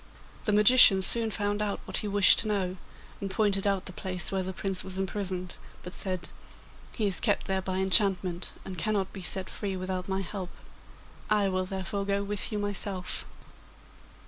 The magician soon found out what he wished to know, and pointed out the place where the Prince was imprisoned, but said: 'He is kept there by enchantment, and cannot be set free without my help. I will therefore go with you myself.